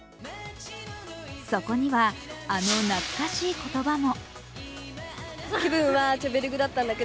そこにはあの懐かしい言葉も。